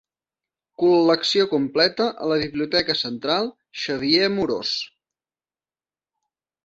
Col·lecció completa a la Biblioteca Central Xavier Amorós.